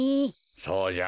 そうじゃ。